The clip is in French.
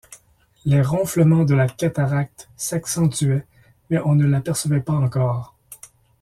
Les ronflements de la cataracte s’accentuaient, mais on ne l’apercevait pas encore.